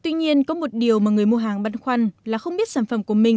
tuy nhiên có một điều mà người mua hàng băn khoăn là không biết sản phẩm của mình